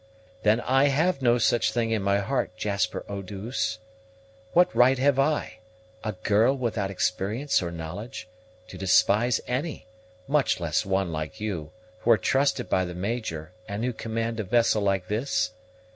"Then I have no such thing in my heart, Jasper Eau douce. What right have I, a girl without experience or knowledge, to despise any, much less one like you, who are trusted by the Major, and who command a vessel like this?